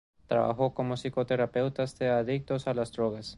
Trabajó como psicoterapeuta de adictos a las drogas.